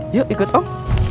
yuk ikut om